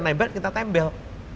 naik banjir kita tembel